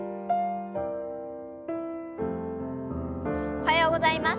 おはようございます。